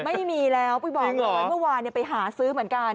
ไม่มีแล้วพี่บอกเลยเมื่อวานไปหาซื้อเหมือนกัน